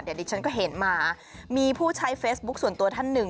เดี๋ยวดิฉันก็เห็นมามีผู้ใช้เฟซบุ๊คส่วนตัวท่านหนึ่ง